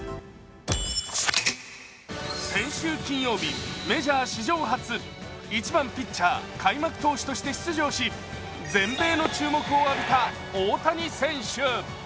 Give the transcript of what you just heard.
先週金曜日、メジャー史上初１番・ピッチャー開幕投手として出場し全米の注目を浴びた大谷選手。